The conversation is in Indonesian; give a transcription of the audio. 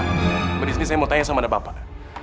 tapi disini saya mau tanya sama bapak